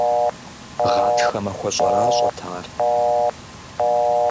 Гъатхэ махуэ щӏэращӏэт ар.